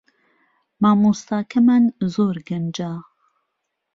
مامۆستاکەمان زۆر گەنجە